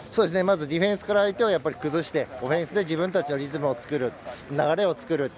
ディフェンスから相手を崩してオフェンスで自分たちのリズムを作る流れを作ると。